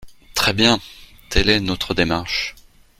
Très bien ! Telle est notre démarche.